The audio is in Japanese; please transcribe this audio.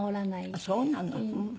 あっそうなの。